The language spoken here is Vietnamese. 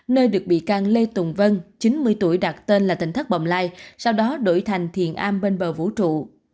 nơi được bị can lê tùng vân chín mươi tuổi đặt tên là tỉnh thác bồng lai sau đó đổi thành thiền an bên bờ vũ trụ